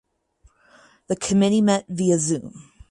The committee met via Zoom.